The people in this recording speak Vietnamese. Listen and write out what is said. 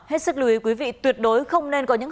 hết sức lưu ý quý vị tuyệt đối không nên có những